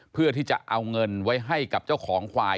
เพื่อที่จะเอาเงินไว้ให้กับเจ้าของควาย